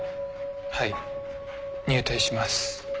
はい入隊します